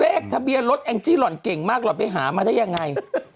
เลขทะเบียนรถแองจี้หล่อนเก่งมากหล่อนไปหามาได้ยังไง